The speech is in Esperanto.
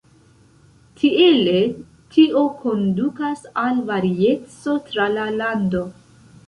Tiele, tio kondukas al varieco tra la lando.